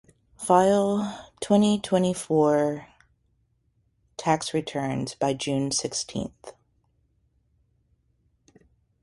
File twenty-twenty-four tax return by June sixteenth.